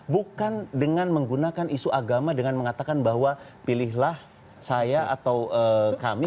bukan dengan menggunakan isu agama dengan mengatakan bahwa pilihlah saya atau kami